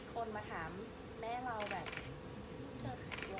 คนมาถามแม่เราแบบนุ๊กเธอขายบริการหรอ